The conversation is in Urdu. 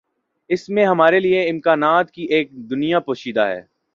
اسی میں ہمارے لیے امکانات کی ایک دنیا پوشیدہ ہے۔